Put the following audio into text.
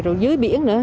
rồi dưới biển nữa